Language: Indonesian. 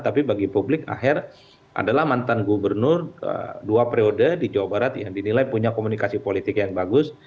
tapi bagi publik aher adalah mantan gubernur dua periode di jawa barat yang dinilai punya komunikasi politik yang bagus